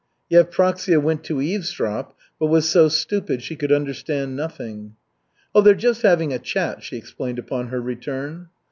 Yevpraksia went to eavesdrop, but was so stupid she could understand nothing. "Oh, they're just having a chat," she explained upon her return.